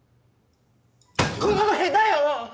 こんなの変だよ！